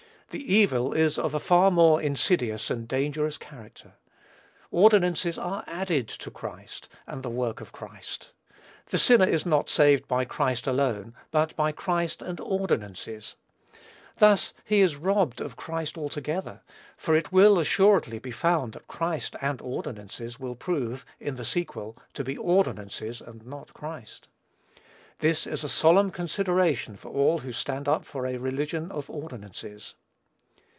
The evil is of a far more insidious and dangerous character. Ordinances are added to Christ, and the work of Christ. The sinner is not saved by Christ alone, but by Christ and ordinances. Thus he is robbed of Christ altogether; for it will, assuredly, be found that Christ and ordinances will prove, in the sequel, to be ordinances, and not Christ. This is a solemn consideration for all who stand up for a religion of ordinances.